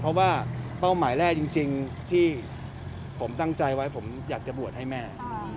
เพราะว่าเป้าหมายแรกจริงที่ผมตั้งใจไว้ผมอยากจะบวชให้แม่